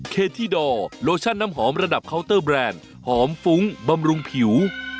เคที่ดอร์โลชั่นน้ำหอมระดับเคาน์เตอร์แบรนด์หอมฟุ้งบำรุงผิว